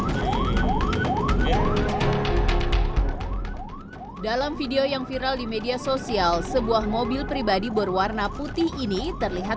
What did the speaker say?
hai dalam video yang viral di media sosial sebuah mobil pribadi berwarna putih ini terlihat